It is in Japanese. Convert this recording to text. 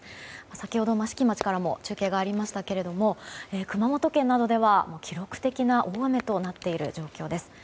先ほど益城町からも中継がありましたけども熊本県などでは記録的な大雨となっている状況です。